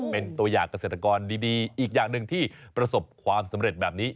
เป็นตัวอย่างเกษตรกรดีอีกอย่างหนึ่งที่ประสบความสำเร็จแบบนี้